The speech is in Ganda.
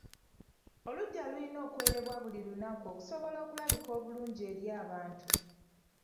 Oluggya lulina okwerebwa buli lunaku okusobola okulabika obulungi eri abantu.